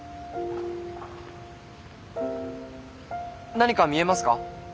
何か見えますか？